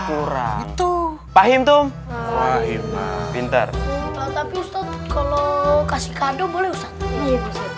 pahim tum pahim pak pintar kalau kasih kado boleh usah